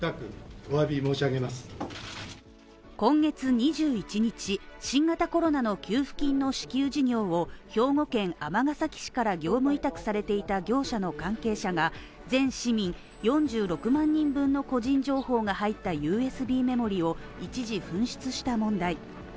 今月２１日、新型コロナの給付金の支給事業を兵庫県尼崎市から業務委託されていた業者の関係者が全市民４６万人分の個人情報が入ったＵＳＢメモリーを一時、紛失した問題。